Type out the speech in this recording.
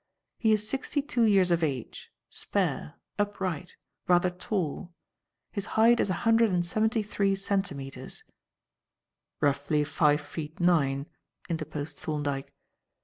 He is sixty two years of age, spare, upright, rather tall his height is a hundred and seventy three centimetres " "Roughly five feet nine," interposed Thorndyke.